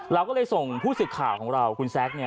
เราก็เลยส่งผู้สื่อข่าวของเราคุณแซคเนี่ย